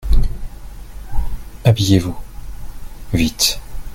Habillez-vous, vite.